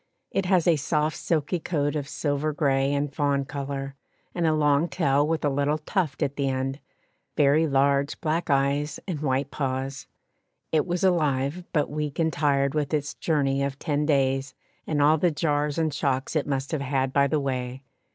It has a soft silky coat of silver grey and fawn colour, and a long tail with a little tuft at the end, very large black eyes and white paws. It was alive, but weak and tired with its journey of ten days and all the jars and shocks it must have had by the way.